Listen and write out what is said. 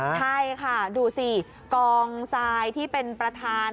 ใช่ค่ะดูสิกองทรายที่เป็นประธาน